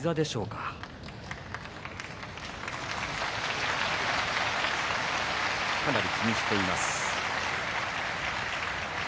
かなり気にしています。